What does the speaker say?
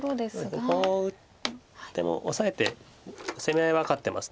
ここを打ってもオサえて攻め合いは勝ってます。